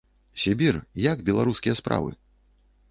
Сібір, як беларускія справы?